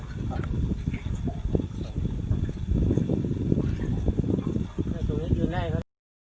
สวัสดีครับ